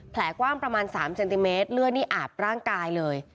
กว้างประมาณ๓เซนติเมตรเลือดนี่อาบร่างกายเลย